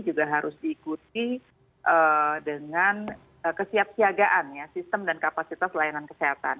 juga harus diikuti dengan kesiapsiagaan ya sistem dan kapasitas layanan kesehatan